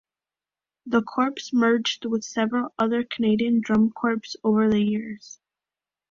The corps merged with several other Canadian drum corps over the years.